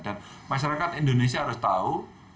dan masyarakat indonesia harus tahu